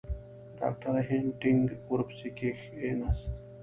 ډاکټر هینټیګ ورپسې کښېنست.